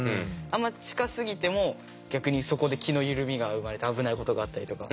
あんま近すぎても逆にそこで気の緩みが生まれて危ないことがあったりとか。